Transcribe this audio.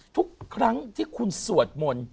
ทุกครั้งที่คุณสวดมนต์